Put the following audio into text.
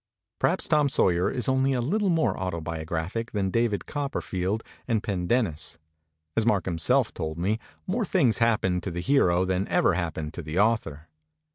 Perhaps 'Tom Sawyer' is only a little more autobiographic than ' David Copperfield' and 'Pendennis.' As Mark himself told me, more things happened to the hero than ever happened to the author.